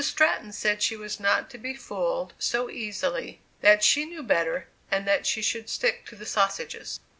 Stratton said she was not to be fooled so easily that she knew better, and that she should stick to the sausages.